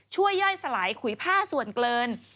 ย่อยสลายขุยผ้าส่วนเกิน